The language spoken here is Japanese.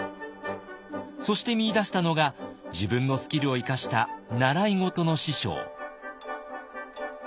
そして見いだしたのが自分のスキルを生かした習い事の師匠。